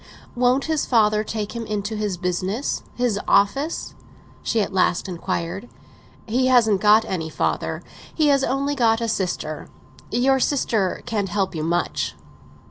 "Won't his father take him into his business—his office?" she at last inquired. "He hasn't got any father—he has only got a sister. Your sister can't help you much."